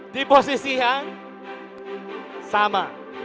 di posisi yang sama